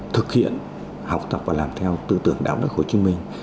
thực hiện học tập và làm theo tư tưởng đảng nước hồ chí minh